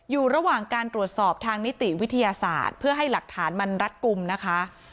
อยู่ระหว่างการตรวจสอบทางนิติวิทยาศาสตร์เพื่อให้หลักฐานมันรัดกลุ่มนะคะ